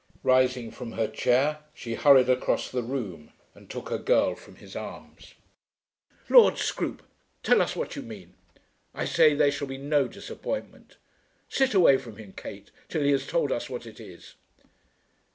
Rising from her chair, she hurried across the room, and took her girl from his arms. "Lord Scroope, tell us what you mean. I say there shall be no disappointment. Sit away from him, Kate, till he has told us what it is."